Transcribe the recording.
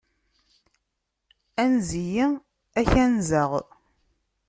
Anez-iyi, ad k-anzeɣ.